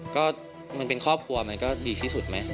ก็มันเป็นครอบครัวมันก็ดีที่สุดไหม